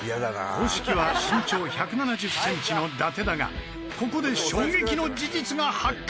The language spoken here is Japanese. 公式は身長１７０センチの伊達だがここで衝撃の事実が発覚。